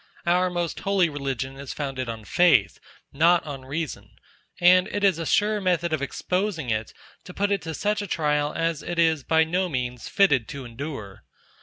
Our most holy religion is founded on Faith, not on reason; and it is a sure method of exposing it to put it to such a trial as it is, by no means, fitted to endure.